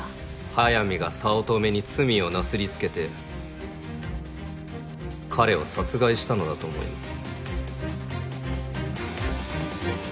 速水が早乙女に罪をなすりつけて彼を殺害したのだと思います。